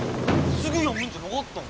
すぐやむんじゃなかった！？